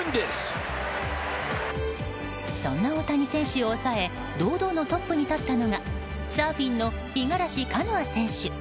そんな大谷選手を抑え堂々のトップに立ったのがサーフィンの五十嵐カノア選手。